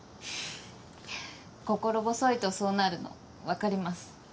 心細いとそうなるの分かります。